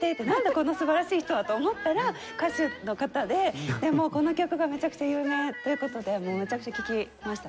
この素晴らしい人はと思ったら歌手の方でもうこの曲がめちゃくちゃ有名という事でめちゃくちゃ聴きました。